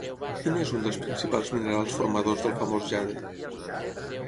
Quin és un dels principals minerals formadors del famós jade?